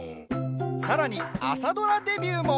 さらに、朝ドラデビューも。